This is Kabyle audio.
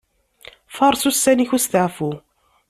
Faṛes ussan-ik n usteɛfu.